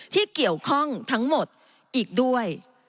ที่เกี่ยวข้องทั้งหมดอีกด้วย